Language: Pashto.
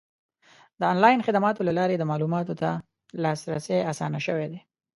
د آنلاین خدماتو له لارې د معلوماتو ته لاسرسی اسان شوی دی.